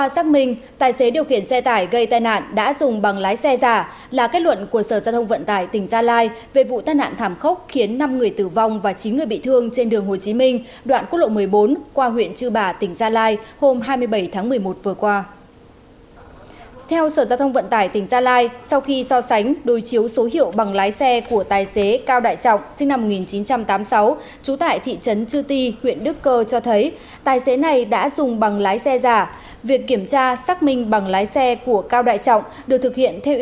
các bạn hãy đăng ký kênh để ủng hộ kênh của chúng mình nhé